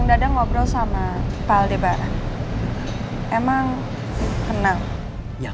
dewa ahmad baunya